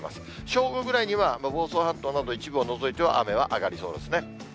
正午ぐらいには房総半島など、一部を除いては、雨は上がりそうですね。